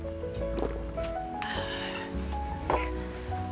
ああ。